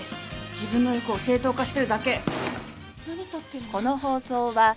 自分の欲を正当化してるだけ。